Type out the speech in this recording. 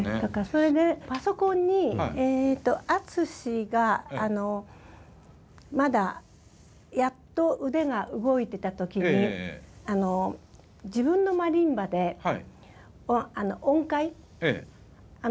それでパソコンにアツシがまだやっと腕が動いてた時にあの自分のマリンバで音階あの鍵盤全部入れたんですよ。